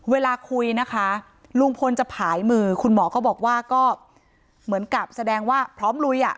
เวลาคุยนะคะลุงพลจะผายมือคุณหมอก็บอกว่าก็เหมือนกับแสดงว่าพร้อมลุยอ่ะ